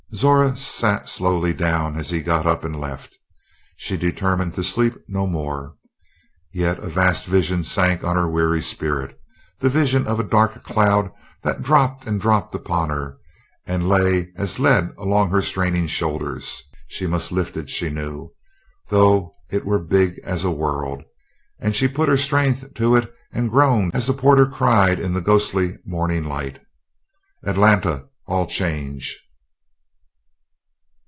Zora sat slowly down as he got up and left. She determined to sleep no more. Yet a vast vision sank on her weary spirit the vision of a dark cloud that dropped and dropped upon her, and lay as lead along her straining shoulders. She must lift it, she knew, though it were big as a world, and she put her strength to it and groaned as the porter cried in the ghostly morning light: "Atlanta! All change!"